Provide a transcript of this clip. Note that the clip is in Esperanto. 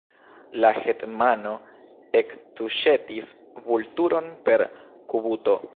La hetmano ektuŝetis Vulturon per kubuto.